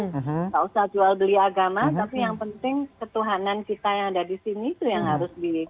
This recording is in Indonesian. gak usah jual beli agama tapi yang penting ketuhanan kita yang ada disini itu yang harus